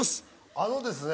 あのですね